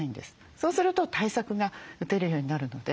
そうすると対策が打てるようになるので。